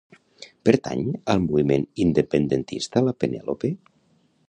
Pertany al moviment independentista la Penelope?